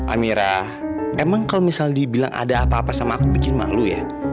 amira emang kalau misalnya dibilang ada apa apa sama aku bikin malu ya